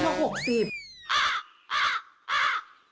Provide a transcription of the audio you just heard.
เราวลีก็